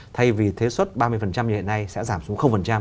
thay vì thế suất ba mươi như hiện nay sẽ giảm xuống